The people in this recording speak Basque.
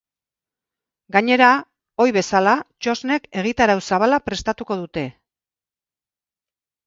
Gainera, ohi bezala, txosnek egitarau zabala prestatuko dute.